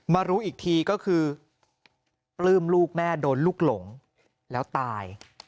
มารู้อีกทีก็คือปลื้มลูกแม่โดนลูกหลงแล้วตาย